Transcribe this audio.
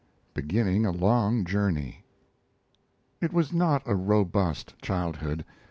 BEGINNING A LONG JOURNEY It was not a robust childhood.